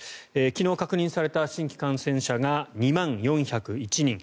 昨日確認された新規感染者が２万４０１人。